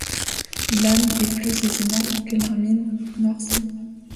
L’âme est plus aisément que l’hermine, noircie.